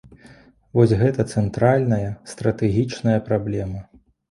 Вось гэта цэнтральная стратэгічная праблема.